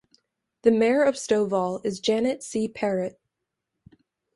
The Mayor of Stovall is Janet C. Parrott.